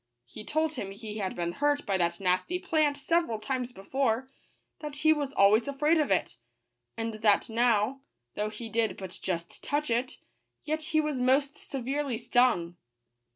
He told him he had been hurt by that nasty plant several times before; that he was always afraid of it; and that now, though he did but just touch it, yet he was most severely stung.